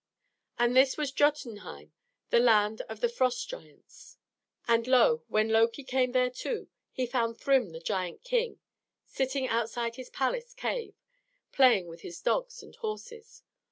And this was Jotunheim, the land of the Frost Giants. And lo! when Loki came thereto he found Thrym the Giant King sitting outside his palace cave, playing with his dogs and horses.